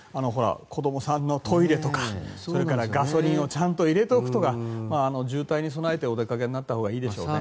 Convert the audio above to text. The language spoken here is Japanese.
子供さんのトイレとかガソリンをちゃんと入れておくとか渋滞に備えてお出かけになったほうがいいでしょうね。